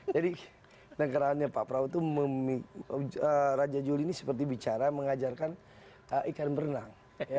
jadi negaraannya pak prabowo itu raja juli ini seperti bicara mengajarkan ikan berenang